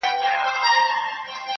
نن رستم د افسانو په سترګو وینم-